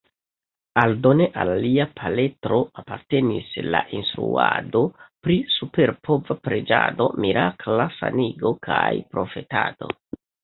Aldone al lia paletro apartenis la instruado pri superpova preĝado, mirakla sanigo kaj profetado.